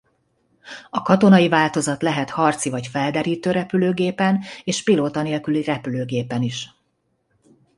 A katonai változat lehet harci vagy felderítő repülőgépen és pilóta nélküli repülőgépen is.